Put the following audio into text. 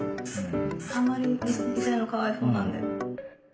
あんまり痛いのかわいそうなんで。